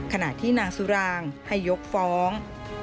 ขณะที่นางสุรางให้ยกฟ้อง